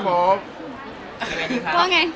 ว่าไง